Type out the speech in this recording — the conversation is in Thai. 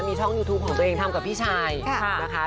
มีช่องยูทูปของตัวเองทำกับพี่ชายนะคะ